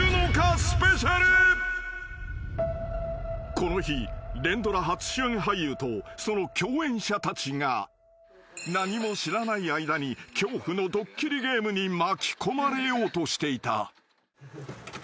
［この日連ドラ初主演俳優とその共演者たちが何も知らない間に恐怖のドッキリゲームに巻き込まれようとしていた］